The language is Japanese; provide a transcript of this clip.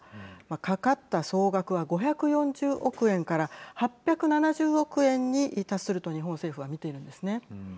かかった総額は５４０億円から８７０億円に達すると日本政府は見ているんですね。